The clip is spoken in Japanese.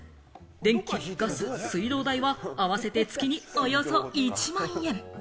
電気、ガス、水道代は合わせて月におよそ１万円。